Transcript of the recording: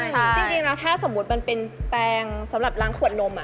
จริงแล้วถ้าสมมุติมันเป็นแปลงสำหรับล้างขวดนม